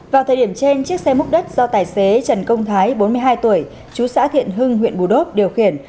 vào thời điểm trên chiếc xe múc đất do tài xế trần công thái bốn mươi hai tuổi chú xã thiện hưng huyện bù đốp điều khiển